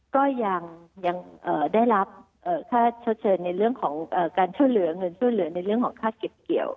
ก็ยังได้รับค่าชดเชยในเรื่องของการช่วยเหลือเงินช่วยเหลือในเรื่องของค่าเก็บเกี่ยว